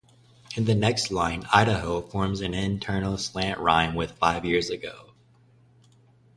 In the next line, "Idaho" forms an internal slant rhyme with "five years ago".